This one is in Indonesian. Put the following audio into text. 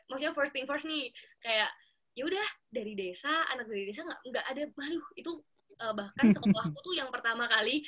maksudnya first tin first nih kayak yaudah dari desa anak dari desa nggak ada malu itu bahkan seketua aku tuh yang pertama kali